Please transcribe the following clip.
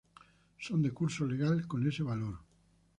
Son de curso legal con ese valor.